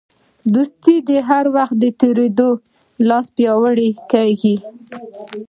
دوستي د وخت له تېرېدو سره لا پیاوړې کېږي.